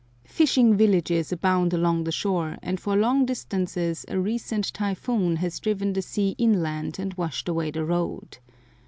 Fishing villages abound along the shore, and for long distances a recent typhoon has driven the sea inland and washed away the road.